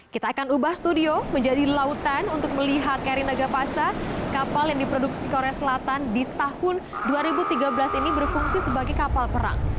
kita akan ubah studio menjadi lautan untuk melihat kri nagapasa kapal yang diproduksi korea selatan di tahun dua ribu tiga belas ini berfungsi sebagai kapal perang